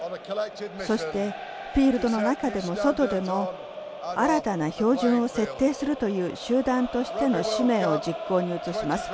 そしてフィールドの中でも外でも新たな標準を設定するという集団としての使命を実行に移します。